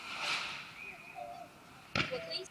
无法防范浏览器首页绑架。